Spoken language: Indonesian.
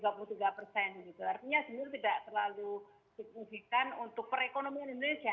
artinya sebenarnya tidak terlalu signifikan untuk perekonomian indonesia